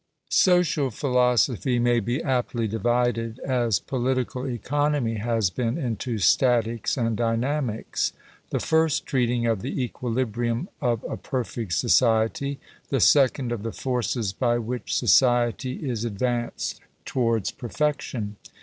Social philosophy may be aptly divided (as political economy has been) into statics and dynamics ; the first treating of the equilibrium of a perfect society, the second of the forces by which society is advanced towards perfection.